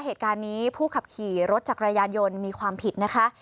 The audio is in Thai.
เหตุการณ์นี้ผู้ขับขี่รถจักรยานยนต์มีความผิดนะคะ